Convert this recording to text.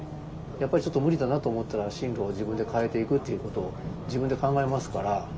やっぱりちょっと無理だなと思ったら進路を自分で変えていくっていうことを自分で考えますから。